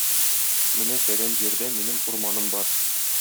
Менә фәлән җирдә минем урманым бар.